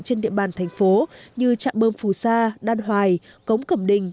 trên địa bàn thành phố như trạm bơm phù sa đan hoài cống cẩm đình